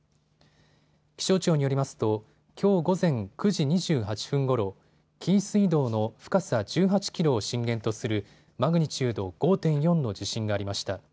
気象庁によりますときょう午前９時２８分ごろ、紀伊水道の深さ１８キロを震源とするマグニチュード５．４の地震がありました。